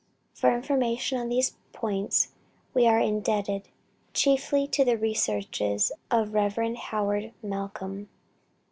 For information on these points we are indebted chiefly to the researches of the Rev. Howard Malcom.